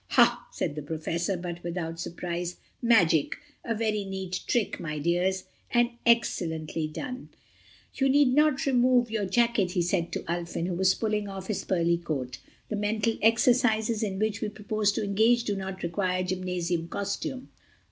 "Ha," said the Professor, but without surprise. "Magic. A very neat trick, my dears, and excellently done." "You need not remove your jacket," he added to Ulfin, who was pulling off his pearly coat. "The mental exercises in which we propose to engage do not require gymnasium costume."